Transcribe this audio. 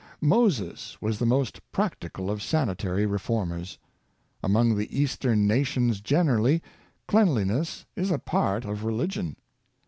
Moses was the most practical of sanitary reformers. Among the Eastern nations generally, cleanliness is a part of religion.